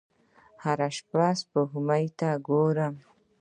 هره شپه سپوږمۍ ته ګورم